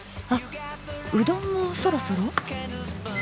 うどんもそろそろ？